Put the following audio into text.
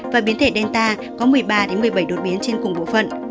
và biến thể delta có một mươi ba một mươi bảy đột biến trên cùng bộ phận